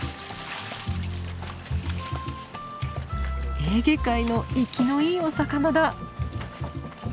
エーゲ海の生きのいいお魚だ！